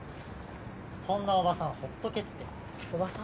そんなおばさんほっとけっておばさん！？